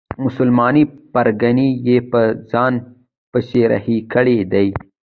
مسلمانې پرګنې یې په ځان پسې رهي کړي دي.